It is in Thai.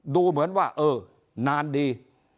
ดูเหมือนว่าเออนานดี